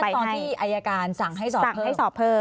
คาดตอนที่อายการสั่งให้สอบเพิ่ม